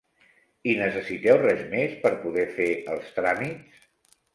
I necessiteu res més per poder fer els tràmits?